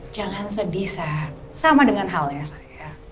jangan sedih sa sama dengan hal ya saya